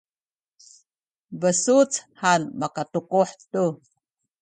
besuc han makatukuh tu